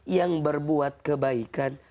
yang berbuat kebaikan